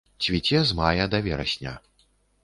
Цвіце з мая да верасня.